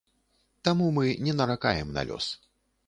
Таму мы не наракаем на лёс.